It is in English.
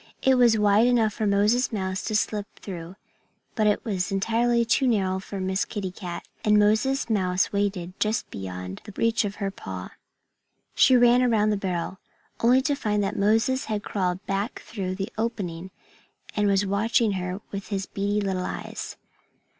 It was wide enough for Moses Mouse to slip through; but it was entirely too narrow for Miss Kitty Cat. And Moses Mouse waited just beyond reach of her paw. She ran around the barrel, only to find that Moses had crawled back through the opening and was watching her with his beady little eyes.